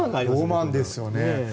ロマンですよね。